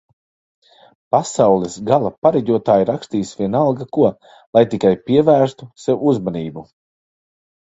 Pasaules gala pareģotāji rakstīs vienalga ko, lai tikai pievērstu sev uzmanību